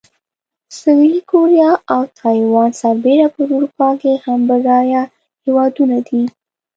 سویلي کوریا او تایوان سربېره په اروپا کې هم بډایه هېوادونه دي.